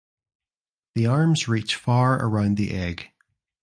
The arms reach far around the egg.